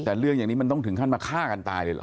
แต่เรื่องอย่างนี้มันต้องถึงขั้นมาฆ่ากันตายเลยเหรอ